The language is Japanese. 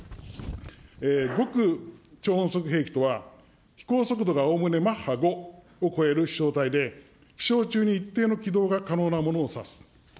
極超音速兵器とは、飛行速度がおおむねマッハ５を超える飛しょう体で、飛しょう中に一定の機動が可能なものを指す。